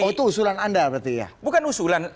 oh itu usulan anda berarti ya bukan usulan